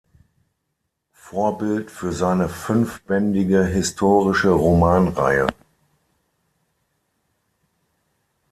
Vorbild für seine fünfbändige historische Romanreihe.